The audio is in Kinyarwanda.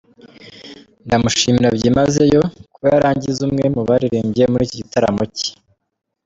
Ndamushimira byimazeyo kuba yarangize umwe mu baririmbye muri ikigitaramo cye.